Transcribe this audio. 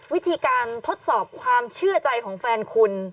วิธีการทดสอบความเชื่อใจของแฟนคุณ